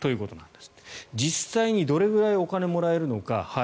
実際にどれぐらいお金もらえるのか。